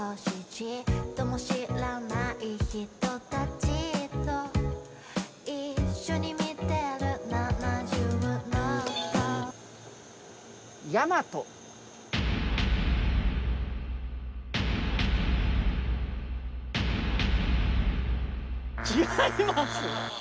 違います。